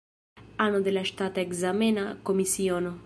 Ano de la ŝtata ekzamena komisiono.